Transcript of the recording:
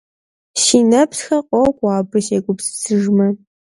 Си нэпсхэр къокӀуэ, абы сегупсысыжмэ.